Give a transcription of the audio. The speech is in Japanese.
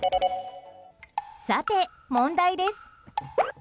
さて、問題です。